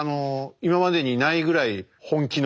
今までにないぐらい本気の衣装は。